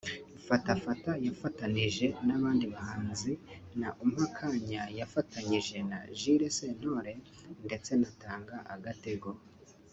Fata fata yafatanije n’abandi bahanzi na Umpe akanya yafatanyije na Jules Sentore ndetse na Tanga agatego